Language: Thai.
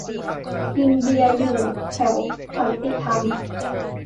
กินเบียร์อยู่แถวสันติธรรม